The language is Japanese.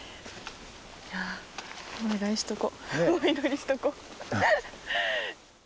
いやお願いしとこう。